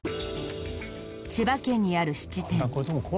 千葉県にある質店。